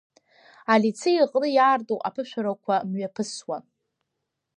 Алицеи аҟны иаарту аԥышәарақәа мҩаԥысуан.